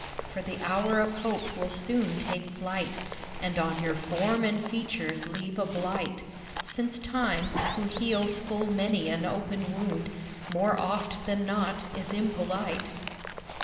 For the hour of hope will soon take flight And on your form and features leave a blight; Since Time, who heals full many an open wound, More oft than not is impolite.